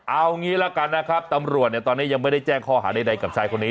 เอางี้ละกันนะครับตำรวจตอนนี้ยังไม่ได้แจ้งข้อหาใดกับชายคนนี้